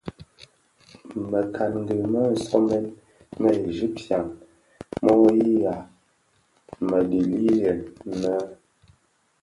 Mëkangi më somèn më Egyptien mo yinnya mëdhèliyèn no?